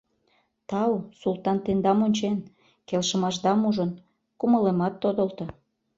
— Тау, СултанТендам ончен, келшымашдам ужын, кумылемат тодылто.